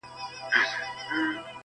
د کور مغول مو له نکلونو سره لوبي کوي.!